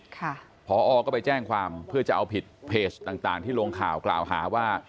ค่ะพอก็ไปแจ้งความเพื่อจะเอาผิดเพจต่างต่างที่ลงข่าวกล่าวหาว่า